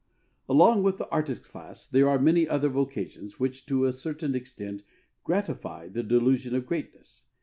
Along with the artist class there are many other vocations which to a certain extent gratify the delusion of greatness.